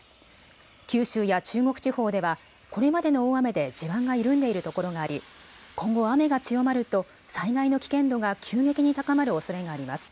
九州や中国地方ではこれまでの大雨で地盤が緩んでいるところがあり今後、雨が強まると災害の危険度が急激に高まるおそれがあります。